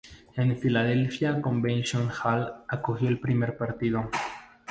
El Philadelphia Convention Hall acogió el primer partido.